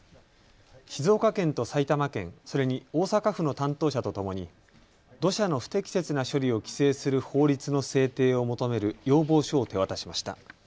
静岡県と埼玉県、それに大阪府の担当者とともに土砂の不適切な処理を規制する法律の制定を求める要望書を手渡しました。